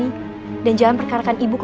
kita akan kena plastik